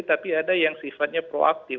tapi ada yang sifatnya proaktif